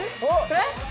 えっ？